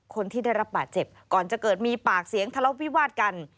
คนที่ได้รับบาดเจ็บก่อนจะเกิดมีปากเสียงทะเลาะวิวาดกัน